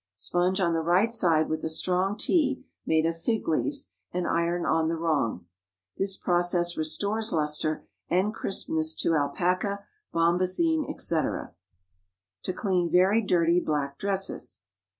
Sponge on the right side with a strong tea made of fig leaves, and iron on the wrong. This process restores lustre and crispness to alpaca, bombazine, etc. TO CLEAN VERY DIRTY BLACK DRESSES.